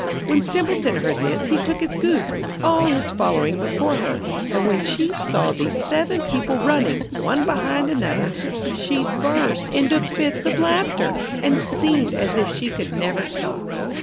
When Simpleton heard this he took his Goose, with all his following, before her, and when she saw these seven people running, one behind another, she burst into fits of laughter, and seemed as if she could never stop.